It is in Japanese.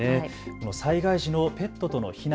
災害時のペットとの避難。